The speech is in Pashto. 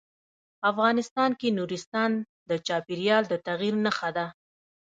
افغانستان کې نورستان د چاپېریال د تغیر نښه ده.